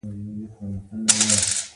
د تلویزیون د باغدارۍ خپرونې ګورئ؟